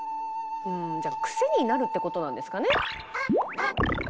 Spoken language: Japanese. うんじゃあ癖になるってことなんですかね。